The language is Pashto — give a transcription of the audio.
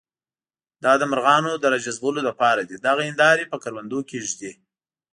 دا د مرغانو د راجذبولو لپاره دي، دغه هندارې په کروندو کې ږدي.